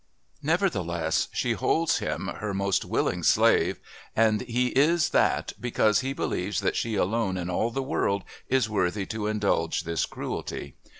Nevertheless she holds him her most willing slave, and he is that because he believes that she alone in all the world is worthy to indulge this cruelty.